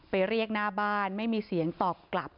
เรียกหน้าบ้านไม่มีเสียงตอบกลับ